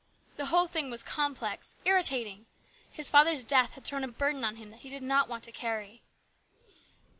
The whole thing was complex, irritating. His father's death had thrown a burden on him that he did not want to carry.